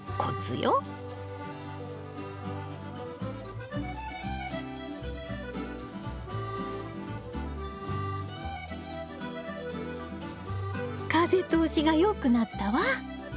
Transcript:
風通しがよくなったわ。